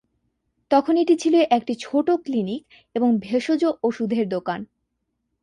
তখন এটি ছিল একটি ছোট ক্লিনিক এবং ভেষজ ওষুধের দোকান।